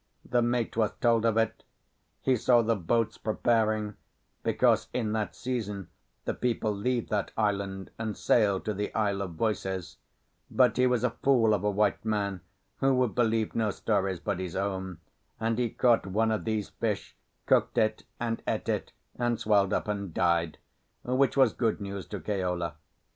The mate was told of it; he saw the boats preparing, because in that season the people leave that island and sail to the Isle of Voices; but he was a fool of a white man, who would believe no stories but his own, and he caught one of these fish, cooked it and ate it, and swelled up and died, which was good news to Keola.